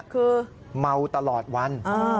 คือเมาตลอดวัน